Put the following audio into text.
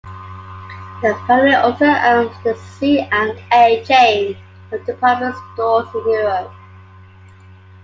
The family also owns the C and A chain of department stores in Europe.